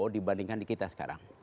dibandingkan di kita sekarang